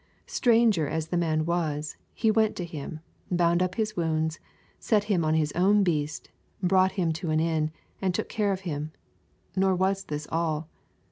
Stranger as the man was, he went to him, bound up his wounds, set him on his own beast, brought him to an inn, and took care of him. Nor was this all.